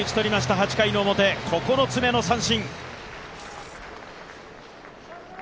８回表、９つ目の三振。